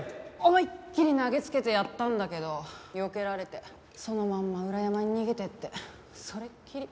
思いっきり投げつけてやったんだけどよけられてそのまんま裏山に逃げていってそれっきり。